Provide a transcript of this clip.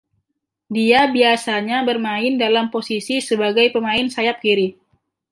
Dia biasanya bermain dalam posisi sebagai pemain sayap kiri.